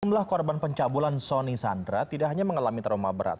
jumlah korban pencabulan soni sandra tidak hanya mengalami trauma berat